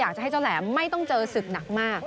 อยากจะให้เจ้าแหลมไม่ต้องเจอศึกหนักมาก